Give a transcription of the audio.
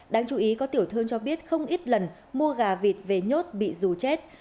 đáng chú ý có tiểu thương cho biết không ít lần mua gà vịt về nhốt bị dù chết